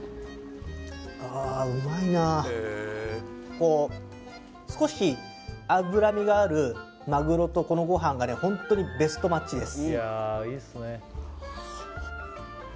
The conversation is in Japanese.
こう少し脂身があるマグロとこのごはんがホントにベストマッチです